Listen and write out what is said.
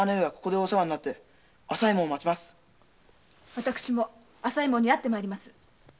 私も朝右衛門に会って参ります。